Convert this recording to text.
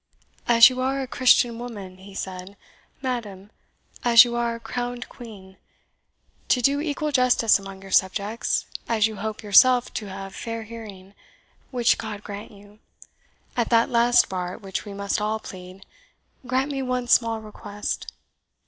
"As you are Christian woman," he said, "madam, as you are crowned Queen, to do equal justice among your subjects as you hope yourself to have fair hearing (which God grant you) at that last bar at which we must all plead, grant me one small request!